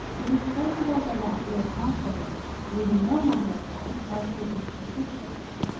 It is traceable directly across the glade, leaving no manner of doubt as to its persistence.